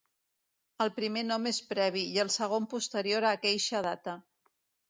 El primer nom és previ i el segon posterior a aqueixa data.